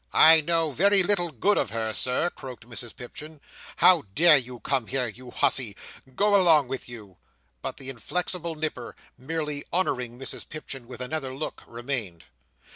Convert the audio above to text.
"I know very little good of her, Sir," croaked Mrs Pipchin. "How dare you come here, you hussy? Go along with you!" But the inflexible Nipper, merely honouring Mrs Pipchin with another look, remained.